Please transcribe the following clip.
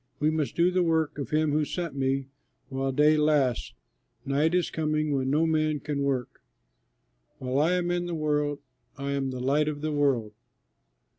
We must do the work of him who sent me while day lasts; night is coming when no man can work. While I am in the world, I am the light of the world."